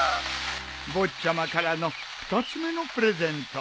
ぼっちゃまからの二つ目のプレゼント